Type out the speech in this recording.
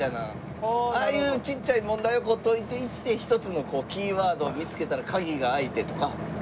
ああいうちっちゃい問題を解いていって一つのキーワードを見つけたら鍵が開いてとか。